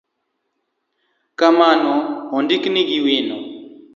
kar mano, ondikgi gi wino.